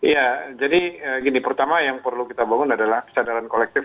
ya jadi gini pertama yang perlu kita bangun adalah kesadaran kolektif